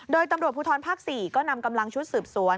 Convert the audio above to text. โดยตำรวจภูทรภาค๔ก็นำกำลังชุดสืบสวน